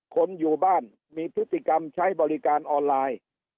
คนอยู่บ้านมีพฤติกรรมใช้บริการออนไลน์